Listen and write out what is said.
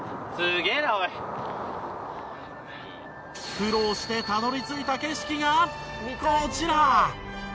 苦労してたどり着いた景色がこちら。